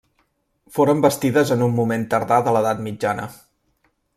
Foren bastides en un moment tardà de l'edat mitjana.